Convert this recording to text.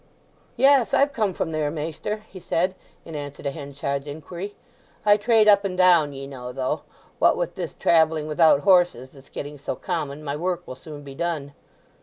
"Yes—I've come from there, maister," he said, in answer to Henchard's inquiry. "I trade up and down, ye know; though, what with this travelling without horses that's getting so common, my work will soon be done."